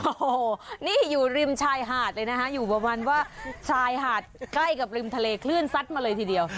โอ้โหนี่อยู่ริมชายหาดเลยนะคะอยู่ประมาณว่าชายหาดใกล้กับริมทะเลคลื่นซัดมาเลยทีเดียว